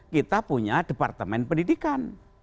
kita punya departemen pendidikan